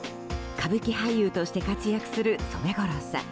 歌舞伎役者として活躍する染五郎さん。